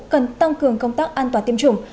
cần tăng cường công tác an toàn tiêm chủng